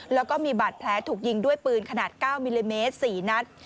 แล้วก็มีบาดแผลถูกยิงด้วยปืนขนาด๙มิลลิเมตร๔นัด